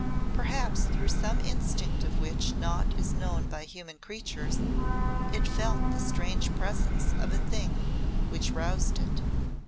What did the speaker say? Perhaps through some instinct of which naught is known by human creatures, it felt the strange presence of a thing which roused it.